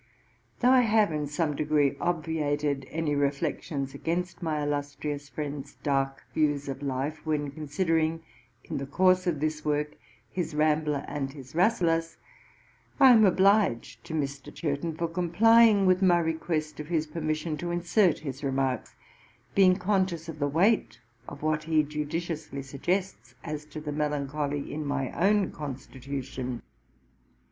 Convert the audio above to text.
Though I have, in some degree, obviated any reflections against my illustrious friend's dark views of life, when considering, in the course of this Work, his Rambler [ante, i. 213] and his Rasselas [ante, i. 343], I am obliged to Mr. Churton for complying with my request of his permission to insert his Remarks, being conscious of the weight of what he judiciously suggests as to the melancholy in my own constitution.